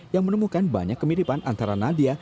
yang menemukan banyak kemiripan antara nadia